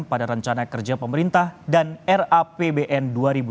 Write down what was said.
pada rencana kerja pemerintah dan rapbn dua ribu dua puluh